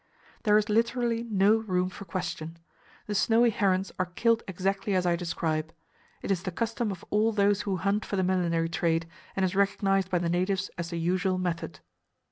"There is literally no room for question. The snowy herons are killed exactly as I describe. It is the custom of all those who hunt for the millinery trade, and is recognized by the natives as the usual method."